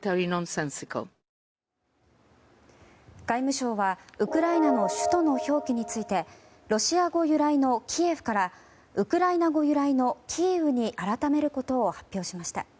外務省はウクライナの首都の表記についてロシア語由来のキエフからウクライナ語由来のキーウに改めることを発表しました。